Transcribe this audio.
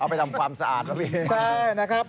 เอาไปทำความสะอาดเหรอจริงใช่นะครับ